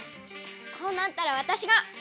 こうなったらわたしが！